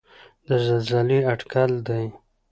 د زلزلې اټکل دی.